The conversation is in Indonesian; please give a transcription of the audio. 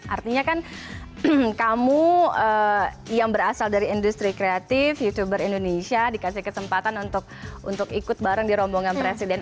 artinya kan kamu yang berasal dari industri kreatif youtuber indonesia dikasih kesempatan untuk ikut bareng di rombongan presiden